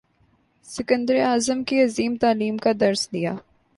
سکندر اعظم کی عظیم تعلیم کا درس لیا